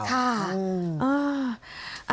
ค่ะ